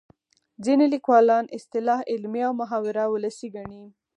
ځینې لیکوالان اصطلاح علمي او محاوره ولسي ګڼي